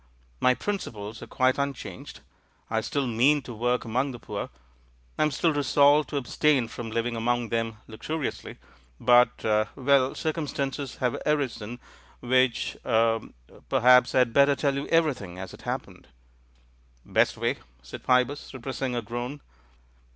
My principles are quite unchanged ; I still mean to work among the poor, I'm still resolved to abstain from living among them luxuriously, but — well, circumstances have arisen which — er — Perhaps I had better tell you everything, as it happened." "Best way," said Pybus, repressing a groan.